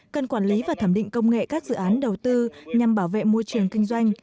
cần quản lý và thẩm định công nghệ các dự án đầu tư nhằm bảo vệ môi trường kinh doanh